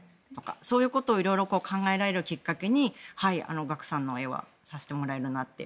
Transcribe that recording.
そういうことを色々考えられるきっかけにＧＡＫＵさんの絵はさせてもらえるなって。